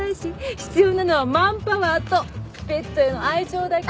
必要なのはマンパワーとペットへの愛情だけ。